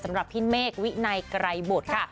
สำหรับพี่เมฆวิไนกลายบดค่ะ